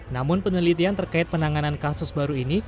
namun penelitian terkait penanganan kasus baru ini